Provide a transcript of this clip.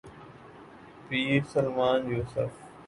Pir Salman Yusuf.